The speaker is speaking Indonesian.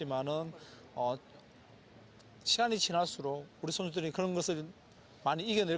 mereka akan merasakan banyak kekuatan mental